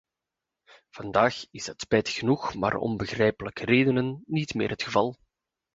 Vandaag is dat spijtig genoeg, maar om begrijpelijke redenen, niet meer het geval.